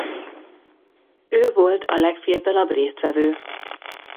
Ő volt a legfiatalabb résztvevő.